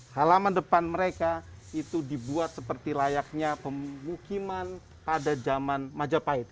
halaman depan mereka itu dibuat seperti layaknya pemukiman pada zaman majapahit